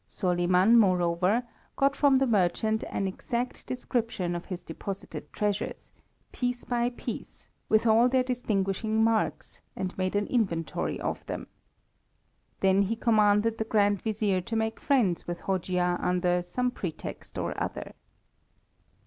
Soliman, moreover, got from the merchant an exact description of his deposited treasures, piece by piece, with all their distinguishing marks, and made an inventory of them. Then he commanded the Grand Vizier to make friends with Hojia under some pretext or other.